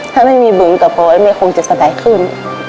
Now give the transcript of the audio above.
ถ้าไม่มีบึงกับร้อยแม่คงจะสบายขึ้น